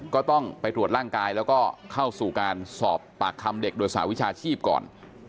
ก็ต้องไปตรวจร่างกายแล้วก็เข้าสู่การสอบปากคำเด็กโดยสาวิชาชีพก่อน